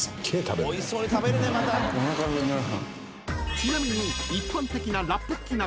［ちなみに］